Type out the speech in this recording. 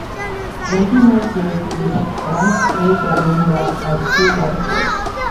Twenty Mile Creek, which runs through the area, has two waterfalls.